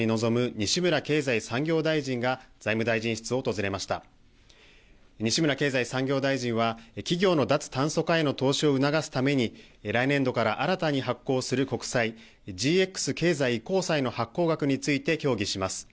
西村経済産業大臣は企業の脱炭素化への投資を促すために来年度から新たに発行する国債、ＧＸ経済移行債の発行額について協議します。